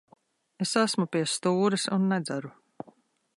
Es esmu pie stūres un nedzeru.